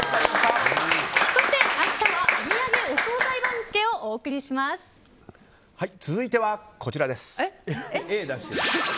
そして、明日はお土産お総菜番付を続いては、こちらです。